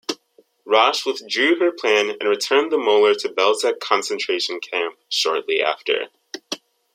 Rosh withdrew her plan and returned the molar to Belzec concentration camp shortly after.